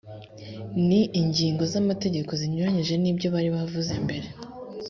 ni ingingo z’amategeko zinyuranyije n’ibyo bari bavuze mbere